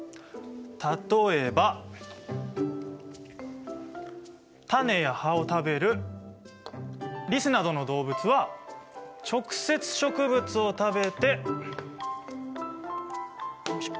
例えば種や葉を食べるリスなどの動物は直接植物を食べてよいしょ。